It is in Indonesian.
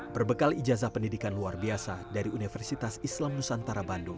berbekal ijazah pendidikan luar biasa dari universitas islam nusantara bandung